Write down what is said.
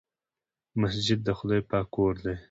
مسجد د خدای پاک کور دی.